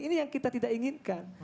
ini yang kita tidak inginkan